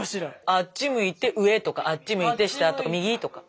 あっち向いて上とかあっち向いて下とか右とか全部言ってね。